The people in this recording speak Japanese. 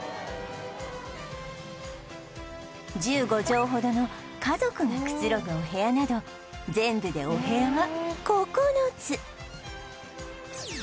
１５畳ほどの家族がくつろぐお部屋など全部でお部屋が９つ